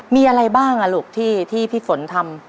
มีอะไรบ้างลูกที่พี่ฝนทำ